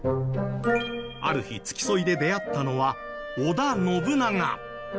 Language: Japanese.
ある日付き添いで出会ったのは織田信長。